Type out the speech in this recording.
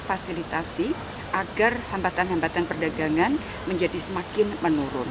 fasilitasi agar hambatan hambatan perdagangan menjadi semakin menurun